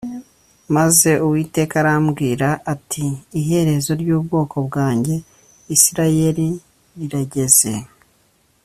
Maze Uwiteka arambwira ati “Iherezo ry’ubwoko bwanjye Isirayeli rirageze